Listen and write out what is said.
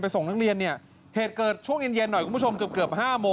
ไปส่งนั่งเรียนเนี้ยเหตุเกิดช่วงหญิงเย็นหน่อยคุณผู้ชมเกือบคือ